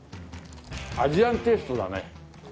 アジアンテイストだね。